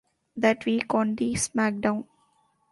That week, on the SmackDown!